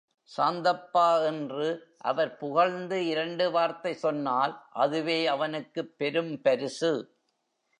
சாந்தப்பா! என்று அவர் புகழ்ந்து இரண்டு வார்த்தை சொன்னால், அதுவே அவனுக்குப் பெரும் பரிசு.